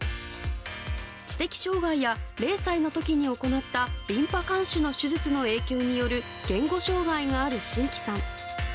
知的障害や０歳の時に行ったリンパ管腫の手術の影響による言語障害がある新木さん。